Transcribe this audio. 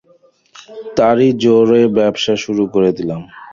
তারই জোরে ব্যবসা শুরু করে দিলুম।